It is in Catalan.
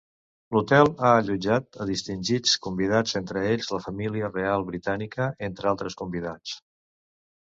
L'hotel ha allotjat a distingits convidats entre ells la família reial britànica entre altres convidats.